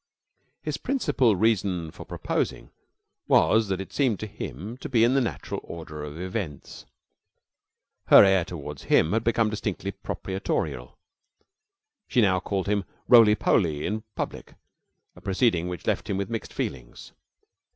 His principal reason for proposing was that it seemed to him to be in the natural order of events. Her air towards him had become distinctly proprietorial. She now called him "Roly poly" in public a proceeding which left him with mixed feelings.